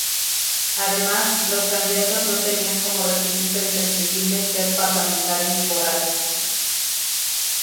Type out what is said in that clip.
Además, los candidatos no tenían como requisito imprescindible ser parlamentarios forales.